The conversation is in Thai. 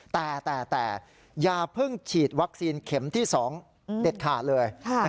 แต่อย่าเพิ่งฉีดวัคซีนเข็มที่๒เด็ดขาดเลย